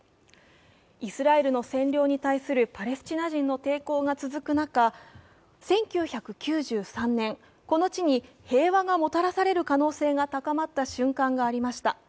イスラエルの占領に対するパレスチナ人の抵抗が続く中、１９９３年、この地に平和がもたらされる可能性が高まった瞬間がありました。